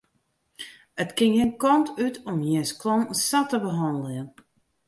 It kin gjin kant út om jins klanten sa te behanneljen.